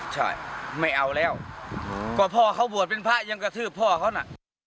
ใช่ไม่เอาแล้วก็พ่อเขาบวชเป็นพระยังกระทืบพ่อเขาน่ะ